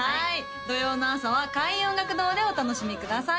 土曜の朝は開運音楽堂でお楽しみください